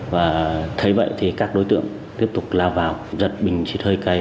và thấy vậy thì các đối tượng tiếp tục lao vào giật bình xì thơi cay